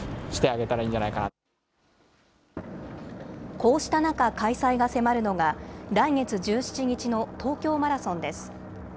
こうした中、開催が迫るのが、来月１７日の東京マラソンです。